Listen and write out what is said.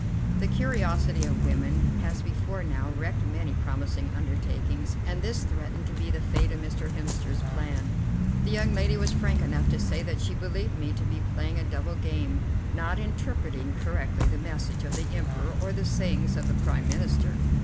The curiosity of woman has before now wrecked many promising undertakings, and this threatened to be the fate of Mr. Hemster's plan. The young lady was frank enough to say that she believed me to be playing a double game; not interpreting correctly the message of the Emperor or the sayings of the Prime Minister.